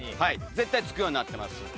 絶対付くようになってます。